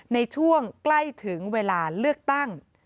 ในช่วงใกล้ถึงเวลาเลือกตั้ง